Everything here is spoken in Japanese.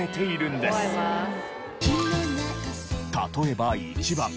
例えば１番。